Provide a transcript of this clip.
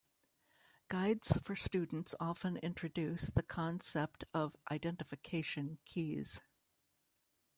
Guides for students often introduce the concept of identification keys.